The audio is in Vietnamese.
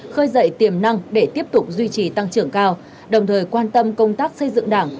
khơi dậy tiềm năng để tiếp tục duy trì tăng trưởng cao đồng thời quan tâm công tác xây dựng đảng